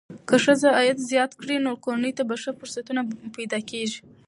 که ښځه عاید زیات کړي، نو کورنۍ ته ښه فرصتونه پیدا کېږي.